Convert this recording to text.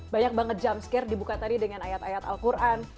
banyak banget jumpscare dibuka tadi dengan ayat ayat al quran